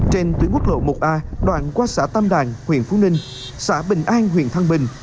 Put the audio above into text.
trên tuyến quốc lộ một a đoạn qua xã tam đàn huyện phú ninh xã bình an huyện thăng bình